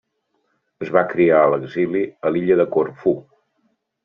Es va criar a l'exili a l'illa de Corfú.